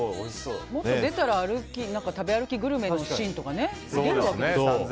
もっと出たら食べ歩きグルメのシーンとか見れるわけでしょ。